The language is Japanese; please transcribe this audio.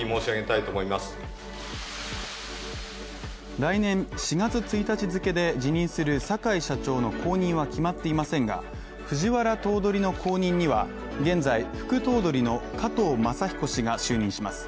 来年４月１日付で辞任する坂井社長の後任は決まっていませんが、藤原頭取の後任には現在、副頭取の加藤勝彦氏が就任します